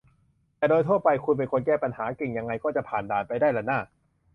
แต่โดยทั่วไปคุณเป็นคนแก้ปัญหาเก่งยังไงก็จะผ่านด่านไปได้ล่ะน่า